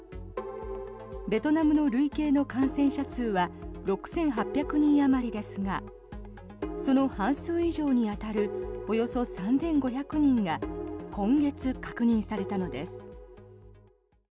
ベトナムの累計の感染者数は６８００人あまりですがその半数以上に当たるおよそ３５００人が今月、確認されたのです。